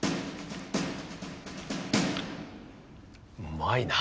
うまいな。